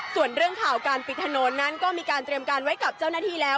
ส่วนเรื่องข่าวการปิดถนนนั้นก็มีการเตรียมการไว้กับเจ้าหน้าที่แล้ว